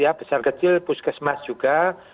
ya besar kecil puskesmas juga